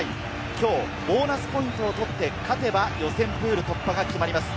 きょうボーナスポイントを取って勝てば予選プール突破が決まります。